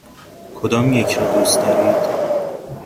کدامیک را دوست دارید؟